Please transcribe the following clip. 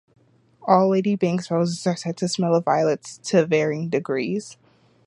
All Lady Banks' roses are said to smell of violets to varying degrees.